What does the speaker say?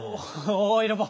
おいロボ。